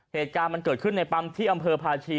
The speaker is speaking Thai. เหตุการณ์มันเกิดขึ้นในปั๊มที่อำเภอพาชี